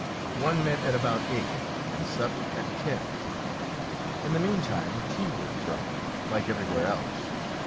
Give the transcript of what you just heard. One met at about eight and supped at ten. In the meantime tea was drunk, like everywhere else.